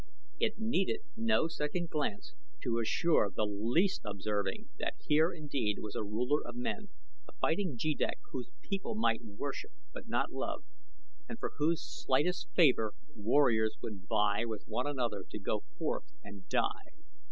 It needed no second glance to assure the least observing that here indeed was a ruler of men a fighting jeddak whose people might worship but not love, and for whose slightest favor warriors would vie with one another to go forth and die.